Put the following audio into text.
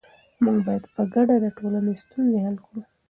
موږ باید په ګډه د ټولنې ستونزې حل کړو.